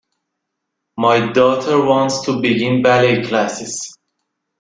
My daughter wants to begin ballet classes.